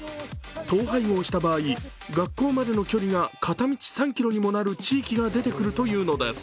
統廃合した場合、学校までの距離が片道３ｋｍにもなる地域が出てくるというのです。